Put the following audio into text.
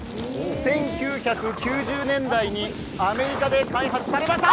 １９９０年代にアメリカで開発されました。